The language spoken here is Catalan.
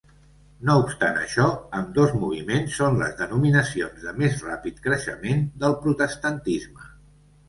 No obstant això, ambdós moviments són les denominacions de més ràpid creixement del protestantisme.